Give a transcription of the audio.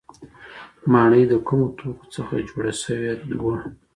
ماڼۍ د کومو توکو څخه جوړه سوې وه؟